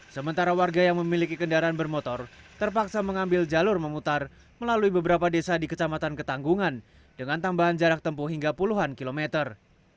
sementara warga yang memiliki kendaraan bermotor terpaksa mengambil jalur memutar melalui beberapa desa di kecamatan ketanggungan dengan tambahan jarak tempuh hingga puluhan kilometer